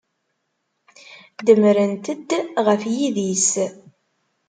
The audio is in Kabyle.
Demmrent-d deg yidis.